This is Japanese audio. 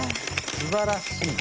すばらしい。